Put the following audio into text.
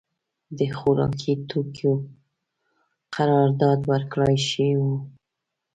د خوارکي توکیو قرارداد ورکړای شوی و.